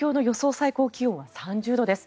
最高気温は３０度です。